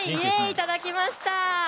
いただきました。